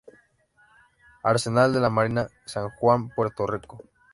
Arsenal de la Marina, San Juan, Puerto Rico.